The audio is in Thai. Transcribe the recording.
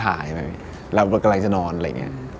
กำลังจะนอนเร้ว